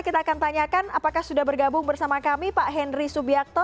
kita akan tanyakan apakah sudah bergabung bersama kami pak henry subiakto